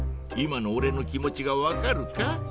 今のおれの気持ちが分かるか？